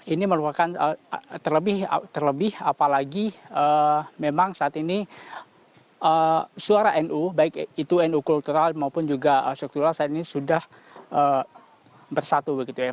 ini merupakan terlebih apalagi memang saat ini suara nu baik itu nu kultural maupun juga struktural saat ini sudah bersatu begitu ya